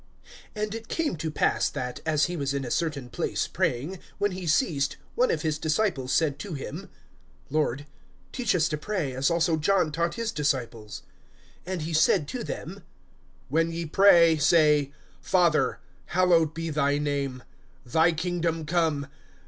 AND it came to pass that, as he was in a certain place praying, when he ceased, one of his disciples said to him: Lord, teach us to pray, as also John taught his disciples. (2)And he said to them: When ye pray, say; Father, hallowed be thy name. Thy kingdom come.